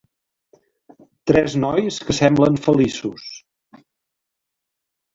tres nois que semblen feliços